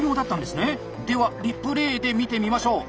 ではリプレーで見てみましょう。